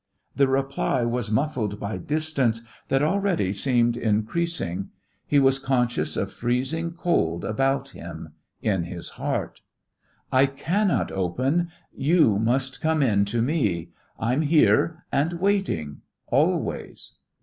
The reply was muffled by distance that already seemed increasing; he was conscious of freezing cold about him in his heart. "I cannot open. You must come in to me. I'm here and waiting always."